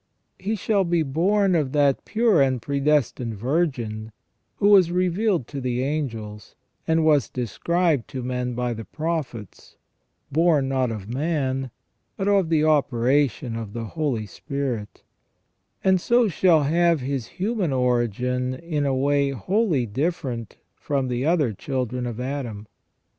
He shall be born of that pure and pre destined Virgin who was revealed to the angels, and was described to men by the prophets, born not of man, but of the operation of the Holy Spirit ; and so shall have His human origin in a way wholly different from the other children of Adam.